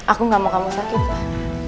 aku gak mau kamu sakit lah